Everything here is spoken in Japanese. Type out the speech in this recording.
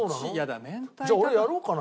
じゃあ俺やろうかな？